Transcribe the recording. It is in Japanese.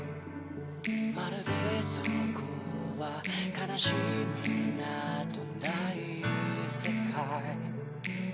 「まるでそこは悲しみなどない世界」